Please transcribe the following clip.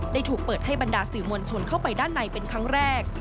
ถูกเปิดให้บรรดาสื่อมวลชนเข้าไปด้านในเป็นครั้งแรก